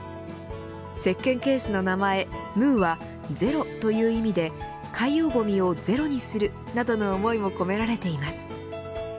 せっけんケースの名前、ｍｕはゼロという意味で海洋ごみをゼロにするなどの思いも込められています。